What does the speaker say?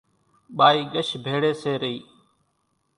ٻائِي ڳش ڀيڙيَ سي رئِي۔